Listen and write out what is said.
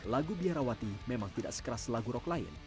lagu biarawati memang tidak sekeras lagu rock lain